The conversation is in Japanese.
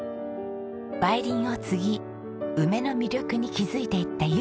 梅林を継ぎ梅の魅力に気づいていった由美さん。